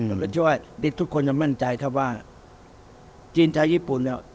อืมช่วยที่ทุกคนจะมั่นใจถ้าว่าจีนไทยญี่ปุ่นเนี่ย